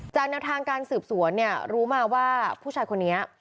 แนวทางการสืบสวนเนี่ยรู้มาว่าผู้ชายคนนี้